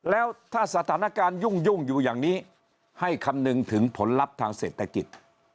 แล้วถ้าสถานการณ์ยุ่งอยู่อย่างนี้ให้คำนึงถึงผลลัพธ์ทางเศรษฐกิจ